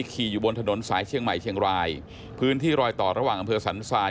ขี่อยู่บนถนนสายเชียงใหม่เชียงรายพื้นที่รอยต่อระหว่างอำเภอสันทราย